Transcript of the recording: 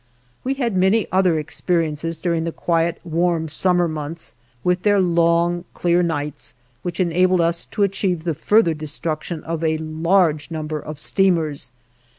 We had many other experiences during the quiet, warm, summer months, with their long, clear nights, which enabled us to achieve the further destruction of a large number of steamers.